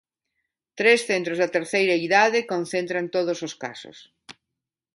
Tres centros da terceira idade concentran todos os casos.